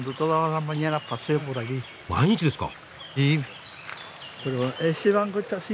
毎日ですか？